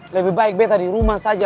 lebih baik beta di rumah saja